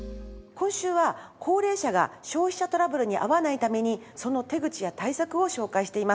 今週は高齢者が消費者トラブルに遭わないためにその手口や対策を紹介しています。